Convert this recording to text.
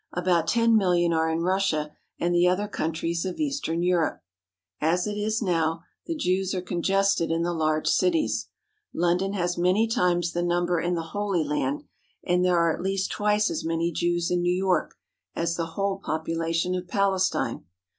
About ten million are in Russia and the other countries of eastern Europe. As it is now, the Jews are congested in the large cities. London has many times the number in the Holy Land, and there are at least twice as many Jews in New York as the whole population of Palestine.